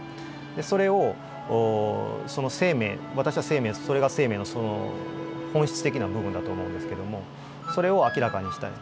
でそれをその生命私はそれが生命のその本質的な部分だと思うんですけどもそれを明らかにしたい。